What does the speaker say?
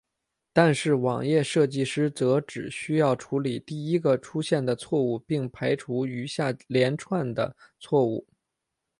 但是网页设计师则只需要处理第一个出现的错误并排除余下连串的错误。